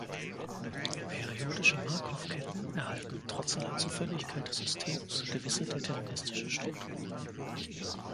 Periodische Markow-Ketten erhalten trotz aller Zufälligkeit des Systems gewisse deterministische Strukturen.